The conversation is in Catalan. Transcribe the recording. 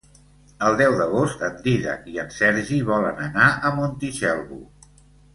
El deu d'agost en Dídac i en Sergi volen anar a Montitxelvo.